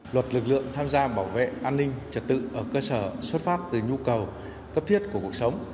luật lực lượng tham gia bảo vệ an ninh trật tự ở cơ sở xuất phát từ nhu cầu cấp thiết của cuộc sống